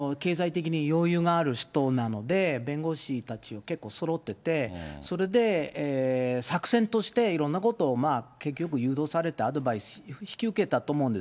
だって、被告を無罪にするために、弁護士がいるわけで、飯塚被告は経済的に余裕がある人なので、弁護士たちを結構そろってて、それで、作戦としていろんなことを結局誘導されて、アドバイス、引き受けたと思うんです。